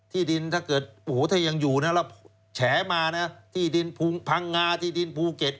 ที่ดินถ้าเกิดโอ้โหถ้ายังอยู่นะแล้วแฉมานะที่ดินพังงาที่ดินภูเก็ต